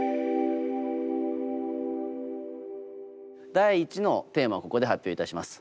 第１のテーマをここで発表いたします。